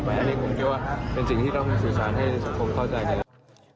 เป็นสิ่งที่ต้องสื่อสารให้สังคมเข้าใจ